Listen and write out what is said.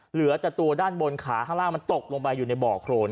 เหลือแต่ตัวด้านบนขาข้างล่างมันตกลงไปอยู่ในบ่อโครน